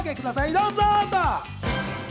どうぞ！